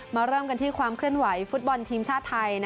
เริ่มกันที่ความเคลื่อนไหวฟุตบอลทีมชาติไทย